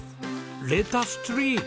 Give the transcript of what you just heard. レタス・ツリー！